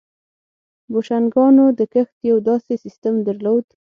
بوشنګانو د کښت یو داسې سیستم درلود.